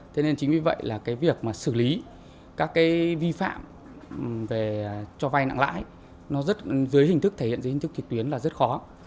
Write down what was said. thế nên chính vì vậy là cái việc mà xử lý các cái vi phạm về cho vay nặng lãi nó rất dưới hình thức thể hiện dưới hình thức trực tuyến là rất khó